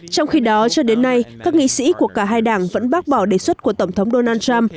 trong khi đó cho đến nay các nghị sĩ của cả hai đảng vẫn bác bỏ đề xuất của tổng thống donald trump